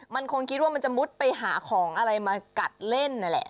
มันคงคิดว่ามันจะมุดไปหาของอะไรมากัดเล่นนั่นแหละ